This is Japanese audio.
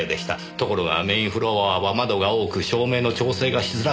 ところがメーンフロアは窓が多く照明の調整がしづらかった。